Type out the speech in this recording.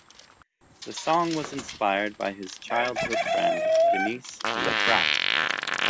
The song was inspired by his childhood friend, Denise Lefrak.